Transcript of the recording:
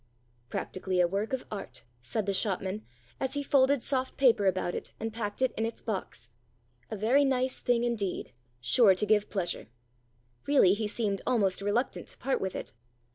" Practically a work of art," said the shopman, as he folded soft paper about it and packed it in its box. " A very nice thing indeed. Sure to give pleasure." Really, he seemed almost reluctant to part with it.